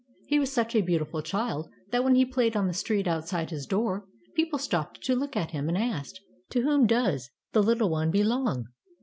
He was such a beautiful child, that when he played on the street outside his door, people stopped to look at him and ask, "To whom does the little one belong?"